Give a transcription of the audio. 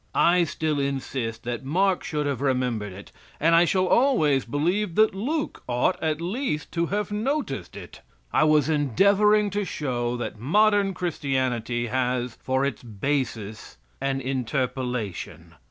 I still insist that Mark should have remembered it, and I shall always believe that Luke ought, at least, to have noticed it. I was endeavoring to show that modern Christianity has for its basis an interpolation.